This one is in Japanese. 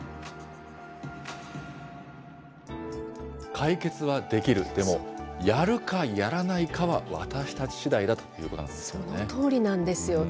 解決はできる、でもやるかやらないかは私たちしだいだということなんですよね。